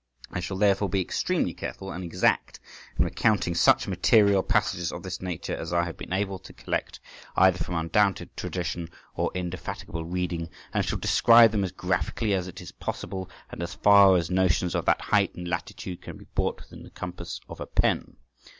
I shall therefore be extremely careful and exact in recounting such material passages of this nature as I have been able to collect either from undoubted tradition or indefatigable reading, and shall describe them as graphically as it is possible, and as far as notions of that height and latitude can be brought within the compass of a pen.